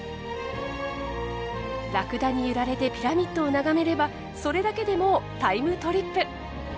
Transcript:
ラクダに揺られてピラミッドを眺めればそれだけでもうタイムトリップ！